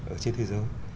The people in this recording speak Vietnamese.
ở trên thế giới